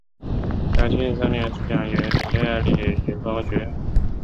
嘉庆三年主讲于明月里云峰书院。